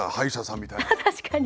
確かに。